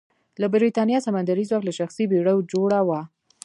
د برېتانیا سمندري ځواک له شخصي بېړیو جوړه وه.